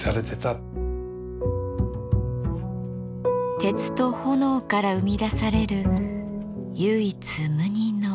鉄と炎から生み出される唯一無二の芸術です。